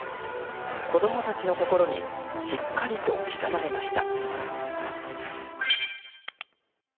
子供たちの心にしっかりと刻まれました。